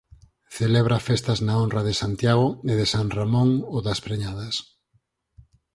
Celebra festas na honra de Santiago e de San Ramón "o das preñadas".